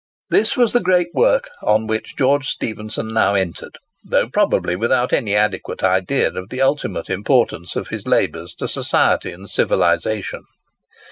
This was the great work upon which George Stephenson now entered, though probably without any adequate idea of the ultimate importance of his labours to society and civilization.